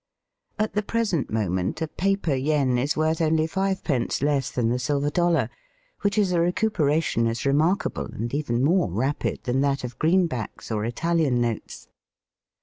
At the present moment a paper yen is worth only fivepence less than the silver dollar, which is a recuperation as remarkable and even more rapid than that of greenbacks or Italian notes.